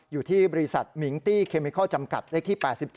อยู่ที่บริษัทมิงตี้เคมิคอลจำกัดเลขที่๘๗